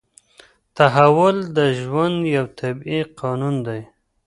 تحول د ژوند یو طبیعي قانون دی.